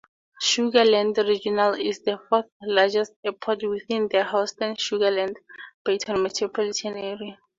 Sugar Land Regional is the fourth largest airport within the Houston-Sugar Land-Baytown Metropolitan Area.